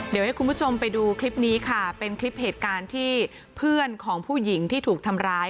เดี๋ยวให้คุณผู้ชมไปดูคลิปนี้ค่ะเป็นคลิปเหตุการณ์ที่เพื่อนของผู้หญิงที่ถูกทำร้าย